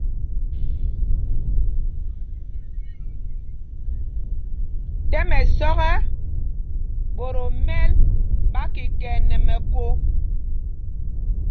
Tɛ́m ɛsɔ́k ɛ, ɓot o mɛ́l ɓá kikɛ nɛ mɛkō.